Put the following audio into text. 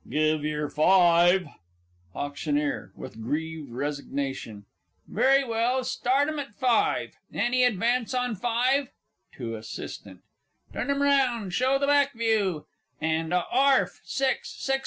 Give yer five. AUCT. (with grieved resignation). Very well, start 'em at five. Any advance on five? (To ASSIST.) Turn 'em round, to show the back view. And a 'arf! Six!